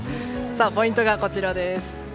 ポイントがこちらです。